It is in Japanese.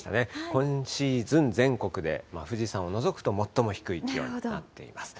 今シーズン、全国で富士山を除くと最も低い気温となっています。